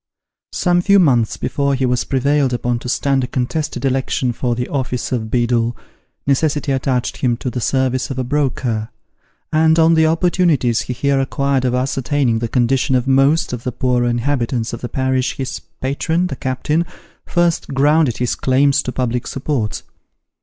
Some few months before he was prevailed upon to stand a contested election for the office of beadle, necessity attached him to the service of a broker ; and on the opportunities he here acquired of ascertaining the condition of most of the poorer inhabitants of the parish, his patron, the captain, first grounded his claims to public support.